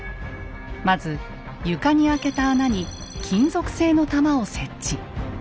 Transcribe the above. まず床に開けた穴に金属製の玉を設置。